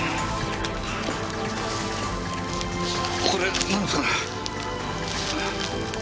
これなんですかね？